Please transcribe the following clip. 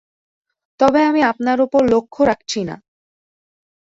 তবে আমি আপনার ওপর লক্ষ রাখছি না।